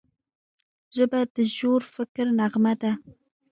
ژبه د ژور فکر نغمه ده